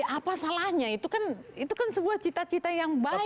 apa salahnya itu kan sebuah cita cita yang baik